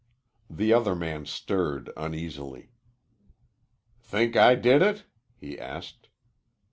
The other man stirred uneasily. "Think I did it?" he asked.